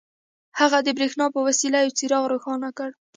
هغه د برېښنا په وسيله يو څراغ روښانه کړ.